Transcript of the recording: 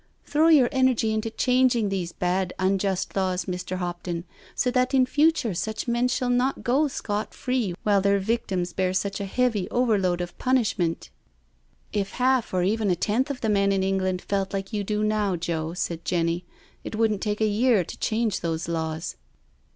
" Throw your energy into changing these bad, un ast laws, Mr. Hopton, so that in future such men shall .iot go scot free while their victims bear such a heavy overload of punishment.'* " If half, or even a tenth, of the men in England felt like you do now^ Joe," said Jenny^ " it wouldn't take a year to change those laws."